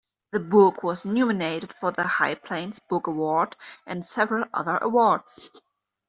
The book was nominated for the High Plains Book Award and several other awards.